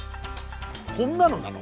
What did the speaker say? こんなのなの？